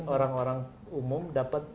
orang orang umum dapat